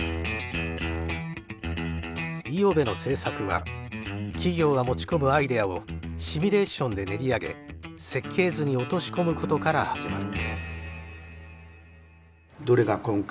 五百部の製作は企業が持ち込むアイデアをシミュレーションで練り上げ設計図に落とし込むことから始まる。